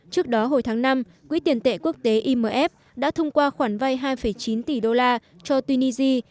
trước đó hồi tháng năm quỹ tiền tệ quốc tế imf đã thông qua khoản vay hai chín tỷ đô la cho tunisia